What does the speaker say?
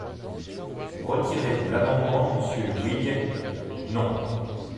Retirez-vous l’amendement, monsieur Huyghe ? Non.